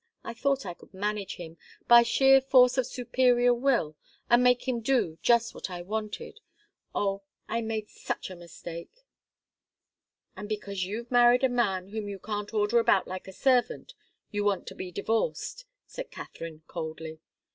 I thought I could manage him, by sheer force of superior will, and make him do just what I wanted oh, I made such a mistake!" "And because you've married a man whom you can't order about like a servant, you want to be divorced," said Katharine, coldly.